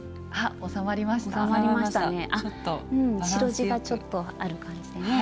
白地がちょっとある感じでね